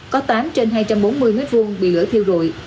có tám trên hai trăm bốn mươi m hai bị lửa thiêu rụi